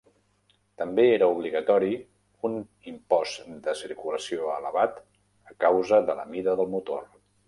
També era obligatori un impost de circulació elevat a causa de la mida del motor.